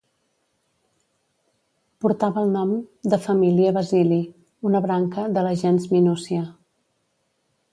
Portava el nom de família Basili, una branca de la gens Minúcia.